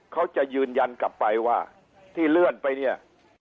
เขาจะยืนยันกลับไปว่าที่เลื่อนไปเนี่ย